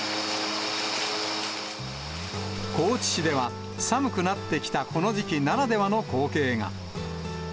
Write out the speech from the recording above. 高知市では、寒くなってきたこの時期ならではの光景が。